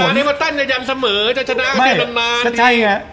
ไม่ใช่คู่แข่ง